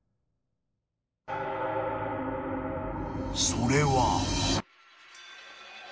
［それは］